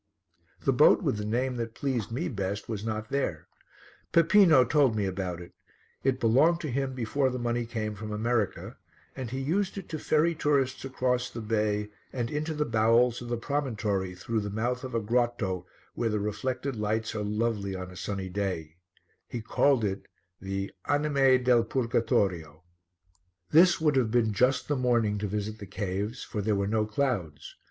The boat with the name that pleased me best was not there. Peppino told me about it: it belonged to him before the money came from America and he used it to ferry tourists across the bay and into the bowels of the promontory through the mouth of a grotto where the reflected lights are lovely on a sunny day; he called it the Anime del Purgatorio. This would have been just the morning to visit the caves, for there were no clouds.